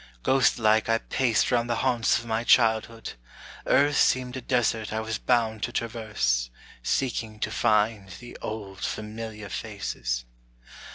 Ghost like I paced round the haunts of my childhood, Earth seemed a desert I was bound to traverse, Seeking to find the old familiar faces.